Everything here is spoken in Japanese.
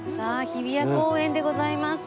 日比谷公園でございます。